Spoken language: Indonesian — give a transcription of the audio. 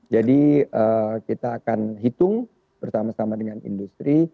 jadi kita akan hitung bersama sama dengan industri